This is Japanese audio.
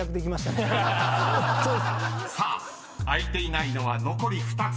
［開いていないのは残り２つ］